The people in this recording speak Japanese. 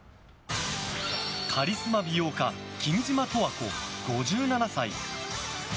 カリスマ美容家君島十和子、５７歳。